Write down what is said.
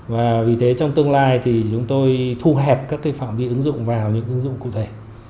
và vì thế trong tương lai thì chúng tôi thu hẹp các phạm vi ứng dụng vào những ứng dụng cụ thể